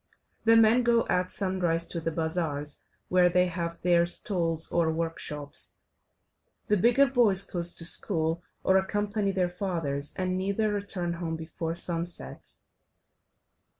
The men go at sunrise to the bazaars, where they have their stalls or workshops, the bigger boys go to school or accompany their fathers, and neither return home before sunset.